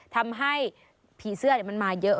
ทำให้ผีเสื้อมันมาเยอะ